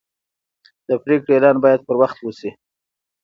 د پریکړې اعلان باید پر وخت وشي.